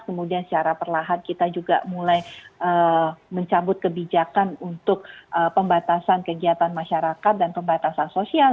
kemudian secara perlahan kita juga mulai mencabut kebijakan untuk pembatasan kegiatan masyarakat dan pembatasan sosial